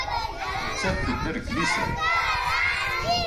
Nettat tedder deg liser.